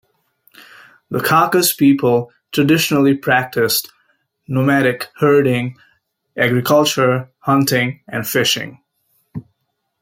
The Khakas people traditionally practiced nomadic herding, agriculture, hunting, and fishing.